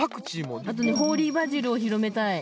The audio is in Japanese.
あとねホーリーバジルを広めたい。